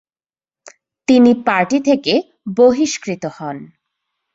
তিনি পার্টি থেকে বহিষ্কৃত হন।